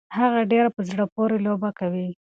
هغه ډيره په زړه پورې لوبه کوي.